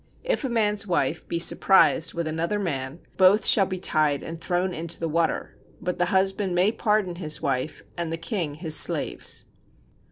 If a man's wife be surprised with another man, both shall be tied and thrown into the water, but the husband may pardon his wife and the king his slaves.